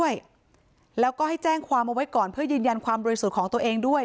ยืนยันความโดยสุดของตัวเองด้วย